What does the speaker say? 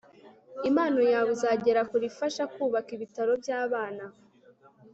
impano yawe izagera kure ifasha kubaka ibitaro byabana